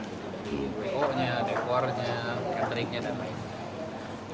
di wko nya dekor nya keterik nya dan lain lain